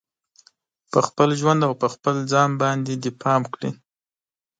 په خپل ژوند او په خپل ځان باندې دې پام کړي